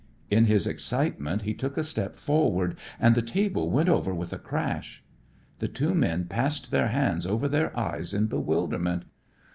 In his excitement he took a step forward and the table went over with a crash. The two men passed their hands over their eyes in bewilderment.